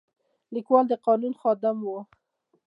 لیکوال د قانون خادم و.